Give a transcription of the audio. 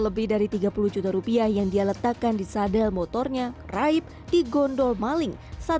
lebih dari tiga puluh juta rupiah yang dia letakkan di sadel motornya raib di gondol maling saat